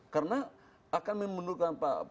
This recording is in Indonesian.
karena akan membutuhkan